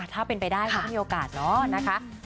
ถ้าเป็นไปได้มันมีโอกาสนะคะ